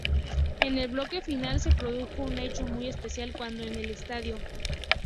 En el bloque final se produjo un hecho muy especial cuando en el estadio.